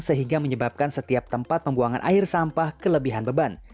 sehingga menyebabkan setiap tempat pembuangan air sampah kelebihan beban